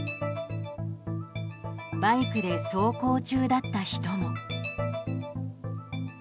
バイクで走行中だった人も。